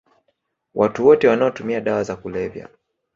Watu wote wanaotumia dawa za kulevya